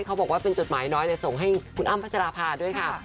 เขาบอกว่าเป็นจดหมายน้อยแต่ส่งให้คุณอ้ำพัชราภาด้วยค่ะ